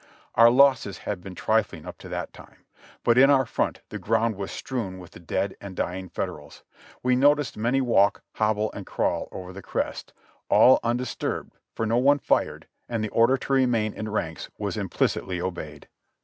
Our losses had been trifling up to that time, but in our front the ground was strewn with the dead and dying Federals : we noticed many walk, hobble and crawl over the crest : all undis turbed, for no one fired, and the order to remain in ranks was im plicitly obeyed.